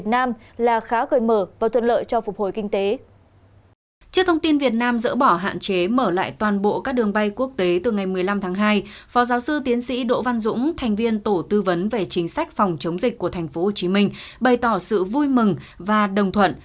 trước thông tin việt nam dỡ bỏ hạn chế mở lại toàn bộ các đường bay quốc tế từ ngày một mươi năm tháng hai phó giáo sư tiến sĩ đỗ văn dũng thành viên tổ tư vấn về chính sách phòng chống dịch của tp hcm bày tỏ sự vui mừng và đồng thuận